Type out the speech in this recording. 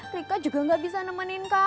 rika juga gak bisa nemenin kakak